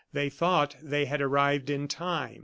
They thought they had arrived in time.